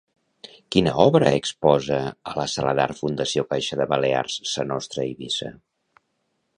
Quina obra exposa a la Sala d'Art Fundació Caixa de Balears- Sa Nostra Eivissa?